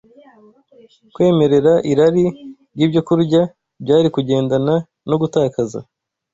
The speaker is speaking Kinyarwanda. Kwemerera irari ry’ibyokurya byari kugendana no gutakaza